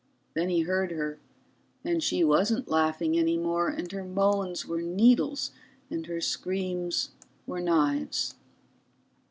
Then he heard her, and she wasn't laughing any more, and her moans were needles and her screams were knives.